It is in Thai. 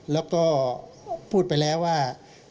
แล้วก็พูดไปแล้วว่า